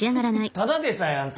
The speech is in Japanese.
ただでさえあんた